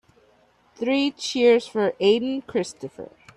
Three cheers for Aden Christopher.